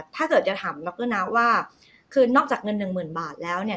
ถ้าเกิดจะถามเราก็นับว่าคือนอกจากเงิน๑๐๐๐๐บาทแล้วเนี่ย